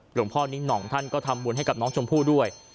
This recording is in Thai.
คุณพ่อนิ้งหน่องท่านก็ทำบุญให้กับน้องชมพู่ด้วย